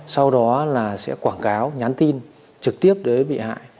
sau đó là sẽ quảng cáo nhắn tin trực tiếp đối với bị hại